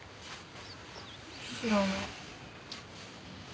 知らない。